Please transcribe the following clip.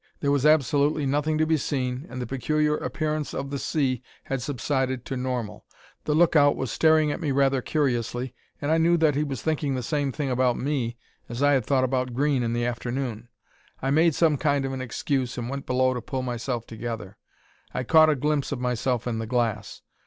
There was absolutely nothing to be seen and the peculiar appearance of the sea had subsided to normal. The lookout was staring at me rather curiously and I knew that he was thinking the same thing about me as I had thought about Green in the afternoon. I made some kind of an excuse and went below to pull myself together. I caught a glimpse of myself in the glass.